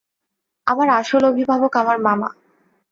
আমার আসল অভিভাবক আমার মামা।